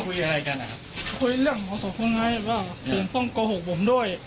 เราก็เริ่มกำจับนางสาวทั้งผู้ธรรม